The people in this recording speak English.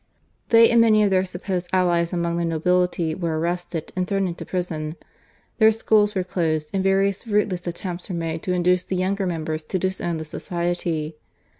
They and many of their supposed allies among the nobility were arrested and thrown into prison; their schools were closed, and various fruitless attempts were made to induce the younger members to disown the Society.